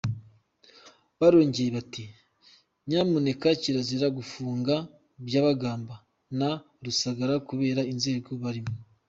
Barongeye bati ‘Nyamuneka’ kirazira gufunga Byabagamba na Rusagara kubera inzego barimo.